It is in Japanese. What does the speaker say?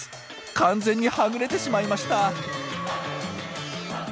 完全にはぐれてしまいました。